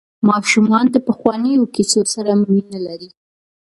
ماشومان د پخوانیو کیسو سره مینه لري.